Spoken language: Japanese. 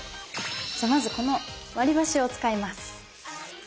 じゃまずこの割りばしを使います。